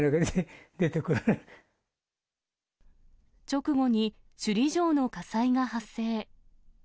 直後に、首里城の火災が発生。